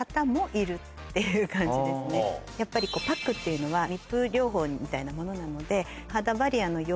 やっぱりパックっていうのは密封療法みたいなものなので。